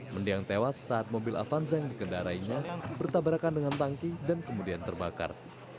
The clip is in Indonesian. mendiang tewas saat mobil avanzeng dikendarainya bertabarakan dengan tangki dan kemudian terbakar